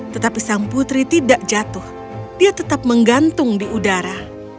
tetapi sang putri tidak jatuh dia tetap menggantung di udara